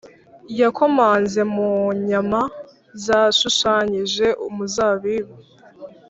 yakomanze mu nyama zashushanyije umuzabibu,